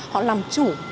họ làm chủ